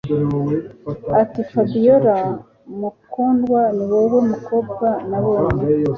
atiFabiora mukundwa niwowe mukobwa nabonye